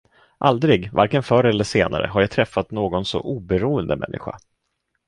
Aldrig, varken förr eller senare har jag träffat någon så oberoende människa.